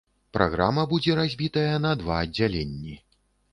Праграма будзе разбітая на два аддзяленні.